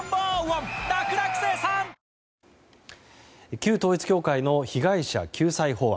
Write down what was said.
旧統一教会の被害者救済法案。